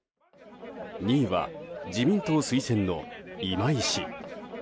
２位は自民党推薦の今井氏。